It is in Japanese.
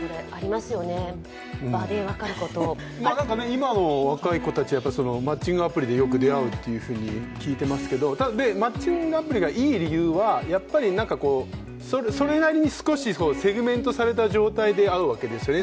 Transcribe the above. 今の若い子たちはマッチングアプリでよく出会うと聞いていますけど、マッチングアプリがいい理由はそれなりにセグメントされた状態で会うわけですよね